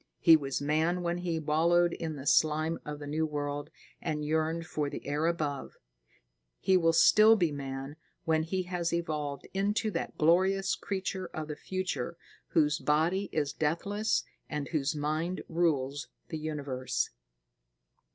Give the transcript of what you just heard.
He was man when he wallowed in the slime of the new world and yearned for the air above. He will still be man when he has evolved into that glorious creature of the future whose body is deathless and whose mind rules the universe.